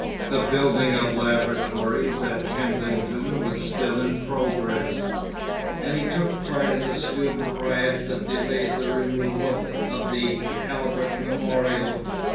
The building of laboratories at Kensington was still in progress, and he took part in the students' riots that delayed the removal of the Albert Memorial.